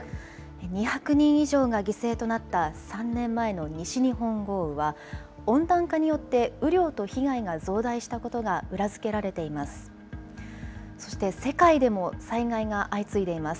２００人以上が犠牲となった３年前の西日本豪雨は、温暖化によって雨量と被害が増大したことが裏付けられています。